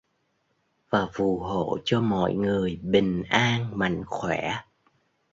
và phù hộ cho mọi người bình an mạnh khỏe